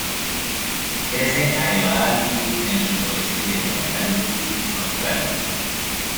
Crece a elevada altitud en el sureste de Nueva Gales del Sur, Australia.